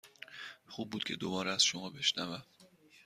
خوب بود که دوباره از شما بشنوم.